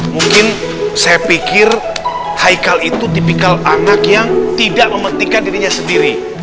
mungkin saya pikir haikal itu tipikal anak yang tidak mementingkan dirinya sendiri